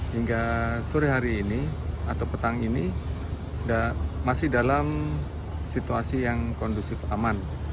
hingga sore hari ini atau petang ini masih dalam situasi yang kondusif aman